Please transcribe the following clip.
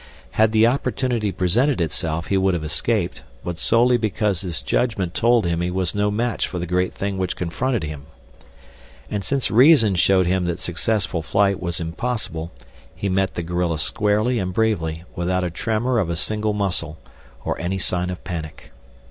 Had the opportunity presented itself he would have escaped, but solely because his judgment told him he was no match for the great thing which confronted him. And since reason showed him that successful flight was impossible he met the gorilla squarely and bravely without a tremor of a single muscle, or any sign of panic.